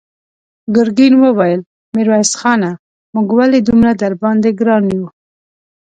ګرګين وويل: ميرويس خانه! موږ ولې دومره درباندې ګران يو؟